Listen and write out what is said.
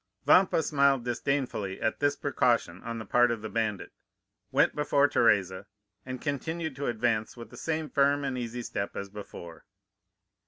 "Vampa smiled disdainfully at this precaution on the part of the bandit, went before Teresa, and continued to advance with the same firm and easy step as before.